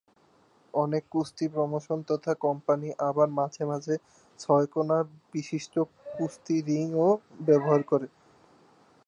অনেক কুস্তি প্রমোশন তথা কোম্পানী আবার মাঝে মাঝে ছয়-কোণা বিশিষ্ট কুস্তি রিং ও ব্যবহার করে।